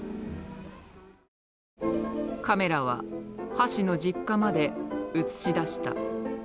カメラは橋の実家まで映し出した。